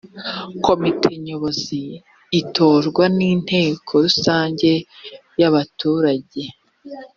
komite nyobozi itorwa n’inteko rusange y’abaturage